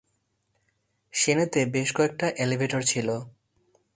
শেনেতে বেশ কয়েকটা এলিভেটর ছিল, যেগুলো বিভিন্ন স্থানীয় জিনিসপত্র সংরক্ষণ করত।